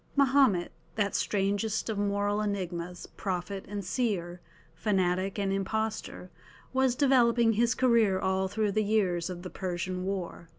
Mahomet, that strangest of moral enigmas, prophet and seer, fanatic and impostor, was developing his career all through the years of the Persian war.